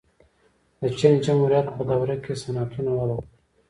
د چین جمهوریت په دوره کې صنعتونه وده وکړه.